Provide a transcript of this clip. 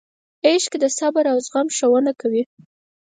عشق د صبر او زغم ښوونه کوي.